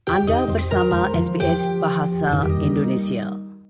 anda bersama sbs bahasa indonesia